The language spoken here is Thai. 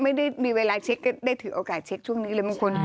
ไม่ได้มีเวลาเช็คก็ได้ถือโอกาสเช็คช่วงนี้เลยบางคน